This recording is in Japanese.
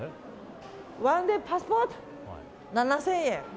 １ＤＡＹパスポート、７０００円。